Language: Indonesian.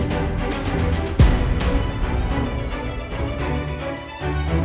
karena masalah ini kan rumit